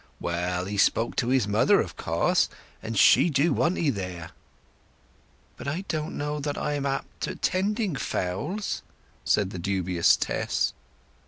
"Well, he spoke to his mother, of course, and she do want 'ee there." "But I don't know that I am apt at tending fowls," said the dubious Tess.